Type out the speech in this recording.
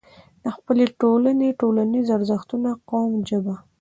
د خپلې ټولنې، ټولنيز ارزښتونه، قوم، ژبه